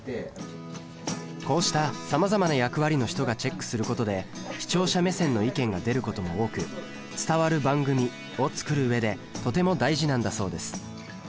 こうしたさまざまな役割の人がチェックすることで視聴者目線の意見が出ることも多く伝わる番組を作るうえでとても大事なんだそうです